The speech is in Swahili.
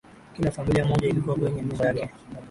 Kila familia moja ilikuwa kwenye nyumba yake